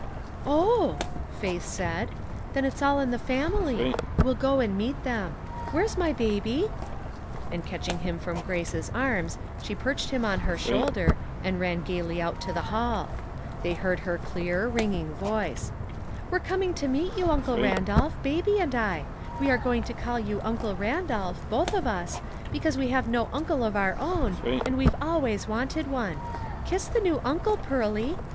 "Oh," Faith said, "then it's all in the family. We'll go and meet them. Where's my baby?" And catching him from Grace's arms, she perched him on her shoulder, and ran gayly out to the hall. They heard her clear, ringing voice, — "We're coming to meet you. Uncle Randolph; baby and I. We are going to call you ' Uncle 202 SouseJiold Puzzles. Randolph,' both of us, because we have no uncle of our own, and we've always wanted one — kiss the new uncle, Pearly.